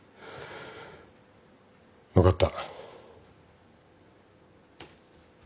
分かった。